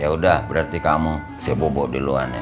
yaudah berarti kamu saya bobok duluan ya